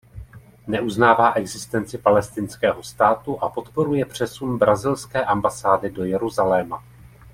Neuznává existenci Palestinského státu a podporuje přesun brazilské ambasády do Jeruzaléma.